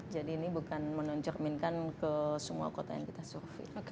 jadi ini bukan menonjurminkan ke semua kota yang kita survei